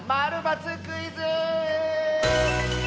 ○×クイズ」！